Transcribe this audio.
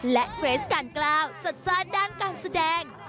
และเกรสการกล้าวจัดจ้านด้านการแสดง